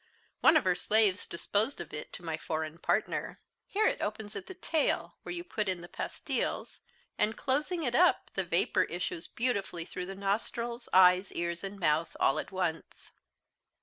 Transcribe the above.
One of her slaves disposed of it to my foreign partner. Here it opens at the tail, where you put in the pastiles, and closing it up, the vapour issues beautifully through the nostrils, eyes, ears, and mouth, all at once.